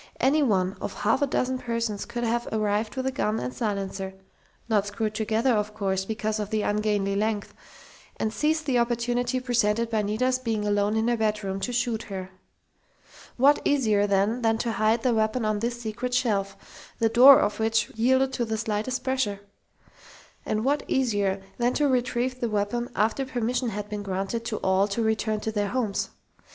Any one of half a dozen persons could have arrived with the gun and silencer not screwed together, of course, because of the ungainly length and seized the opportunity presented by Nita's being alone in her bedroom to shoot her. What easier, then, than to hide the weapon on this secret shelf, the "door" of which yielded to the slightest pressure? And what easier than to retrieve the weapon after permission had been granted to all to return to their homes?